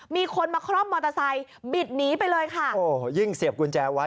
มีคนมาคร่อมมอเตอร์ไซค์บิดหนีไปเลยค่ะโอ้โหยิ่งเสียบกุญแจไว้